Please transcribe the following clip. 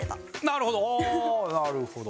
なるほど。